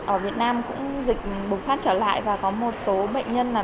ở việt nam cũng dịch bùng phát trở lại và có một số bệnh nhân là